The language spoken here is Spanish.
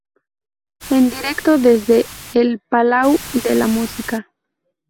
En directo desde el Palau de la Música".